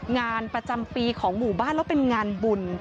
งานประจำปีของหมู่บ้านแล้วเป็นงานบุญ